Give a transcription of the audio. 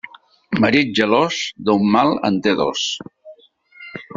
Marit gelós, d'un mal en té dos.